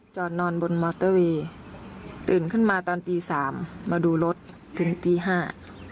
นอนบนมอเตอร์เวย์ตื่นขึ้นมาตอนตีสามมาดูรถถึงตีห้า